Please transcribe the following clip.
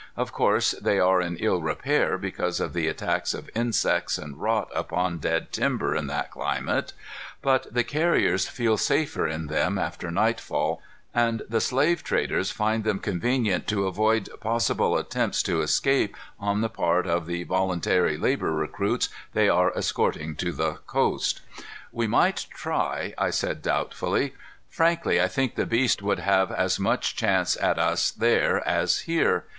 Of course they are in ill repair because of the attacks of insects and rot upon dead timber in that climate, but the carriers feel safer in them after nightfall, and the slave traders find them convenient to avoid possible attempts to escape off the part of the "voluntary labor recruits" they are escorting to the coast. "We might try," I said doubtfully. "Frankly, I think the beast would have as much chance at us there as here.